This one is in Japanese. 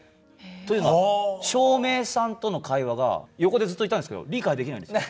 というのは照明さんとの会話が横でずっといたんですけど理解できないんですよ。